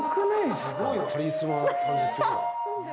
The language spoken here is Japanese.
すごいよ、カリスマな感じするわ。